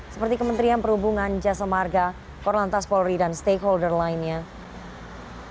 seperti kementerian perhubungan jasa marga korlantas polri dan stakeholder lainnya